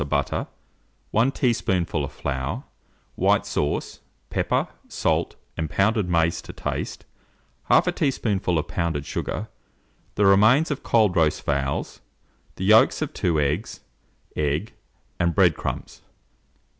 of butter, 1 teaspoonful of flour, white sauce; pepper, salt, and pounded mace to taste; 1/2 teaspoonful of pounded sugar, the remains of cold roast fowls, the yolks of 2 eggs, egg, and bread crumbs.